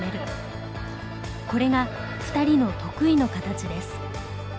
これが２人の得意の形です。